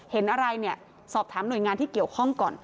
เห็นอะไรเนี่ยสอบถามหน่วยงานที่เกี่ยวข้องก่อน